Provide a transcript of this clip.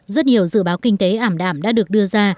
rất nhiều dự báo kinh tế ảm đạm đã được đưa ra